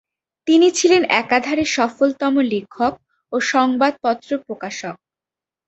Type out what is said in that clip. তিনি ছিলেন একাধারে সফলতম লেখক ও সংবাদপত্র প্রকাশক।